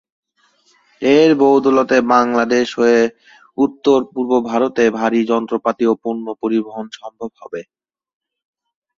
এর বদৌলতে বাংলাদেশ হয়ে উত্তর-পূর্ব ভারতে ভারী যন্ত্রপাতি ও পণ্য পরিবহন সম্ভব হবে।